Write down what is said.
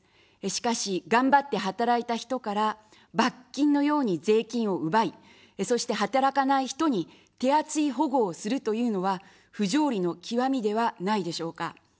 しかし、頑張って働いた人から罰金のように税金を奪い、そして働かない人に手厚い保護をするというのは、不条理の極みではないでしょうか。